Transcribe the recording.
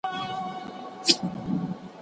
هغه بل وویل شنو ونو څه جفا کړې وه؟